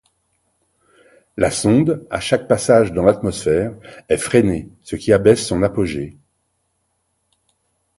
La sonde, à chaque passage dans l'atmosphère, est freinée, ce qui abaisse son apogée.